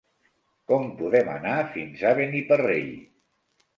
Com podem anar fins a Beniparrell?